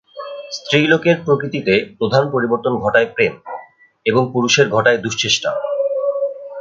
স্ত্রীলোকের প্রকৃতিতে প্রধান পরিবর্তন ঘটায় প্রেম, এবং পুরুষের ঘটায় দুশ্চেষ্টা।